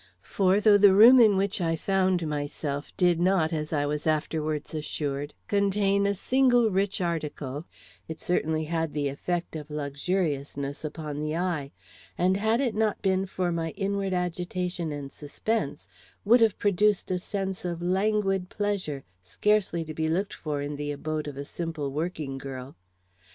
For though the room in which I found myself did not, as I was afterwards assured, contain a single rich article, it certainly had the effect of luxuriousness upon the eye; and had it not been for my inward agitation and suspense, would have produced a sense of languid pleasure, scarcely to be looked for in the abode of a simple working girl.